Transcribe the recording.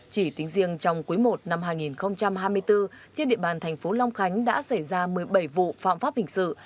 chỉ tính riêng trong quý i năm hai nghìn hai mươi bốn trên địa bàn thành phố long khánh đã xảy ra một mươi bảy vụ phạm pháp hình sự